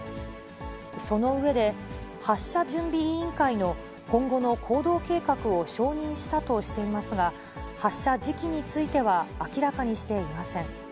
その上で、発射準備委員会の今後の行動計画を承認したとしていますが、発射時期については、明らかにしていません。